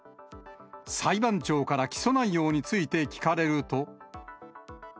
裁判長から起訴内容について聞かれると。